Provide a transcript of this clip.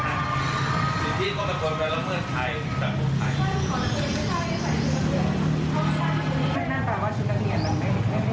ให้การดูแลลูกเป็นความอินทรีย์นะครับ